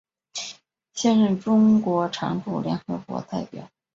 现任中国常驻联合国代表。